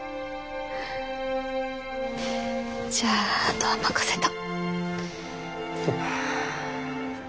じゃああとは任せた。